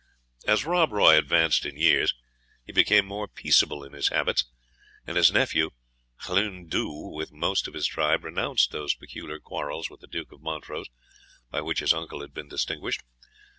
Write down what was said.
As Rob Roy advanced in years, he became more peaceable in his habits, and his nephew Ghlune Dhu, with most of his tribe, renounced those peculiar quarrels with the Duke of Montrose, by which his uncle had been distinguished.